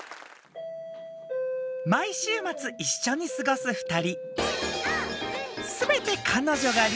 毎週末一緒に過ごす２人。